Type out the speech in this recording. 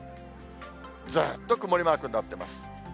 ずっと曇りマークになっています。